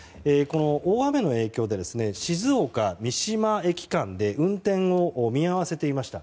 大雨の影響で静岡三島駅間で運転を見合わせていました。